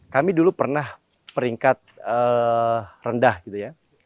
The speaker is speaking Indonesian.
kami dulu pernah peringkat rendah gitu ya